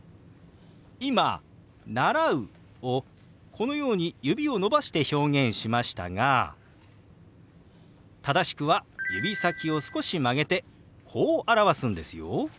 今「習う」をこのように指を伸ばして表現しましたが正しくは指先を少し曲げてこう表すんですよ。